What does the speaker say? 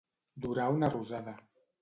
Durar una rosada.